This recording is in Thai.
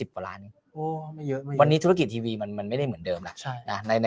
กว่าร้านวันนี้ธุรกิจทีวีมันไม่ได้เหมือนเดิมล่ะในใน